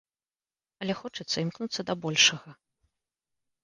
Але хочацца імкнуцца да большага.